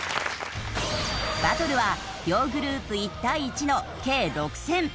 バトルは両グループ１対１の計６戦。